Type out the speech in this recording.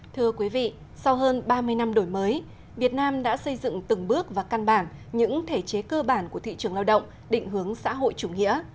thưa quý vị sau hơn ba mươi năm đổi mới việt nam đã xây dựng từng bước và căn bản những thể chế cơ bản của thị trường lao động định hướng xã hội chủ nghĩa